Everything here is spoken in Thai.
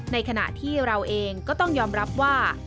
ในขณะที่เราเองก็ต้องยอมรับว่า